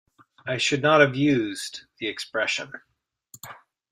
I should not have used the expression.